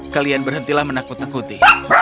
kalian berhentilah menakut nakuti